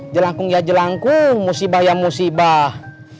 jelangkung ya jelangku musibah ya musibah